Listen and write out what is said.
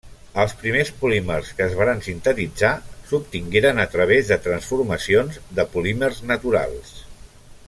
Els primers polímers que es varen sintetitzar s'obtingueren a través de transformacions de polímers naturals.